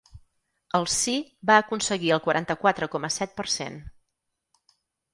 El sí va aconseguir el quaranta-quatre coma set per cent.